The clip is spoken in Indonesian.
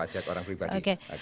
wajib pajak orang pribadi